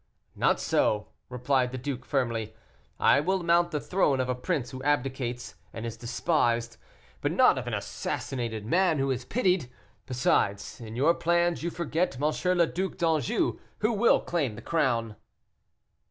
"Not so," replied the duke, firmly. "I will mount the throne of a prince who abdicates and is despised, but not of an assassinated man who is pitied. Besides, in your plans you forget M. le Duc d'Anjou, who will claim the crown."